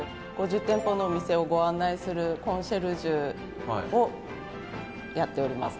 ５０店舗のお店をご案内するコンシェルジュをやっております。